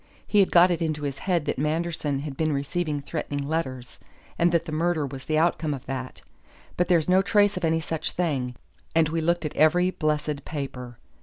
He had got it into his head that Manderson had been receiving threatening letters, and that the murder was the outcome of that. But there's no trace of any such thing; and we looked at every blessed paper.